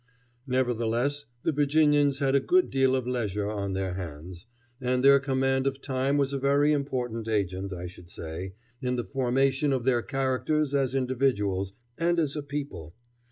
Nevertheless the Virginians had a good deal of leisure on their hands, and their command of time was a very important agent, I should say, in the formation of their characters as individuals, and as a people.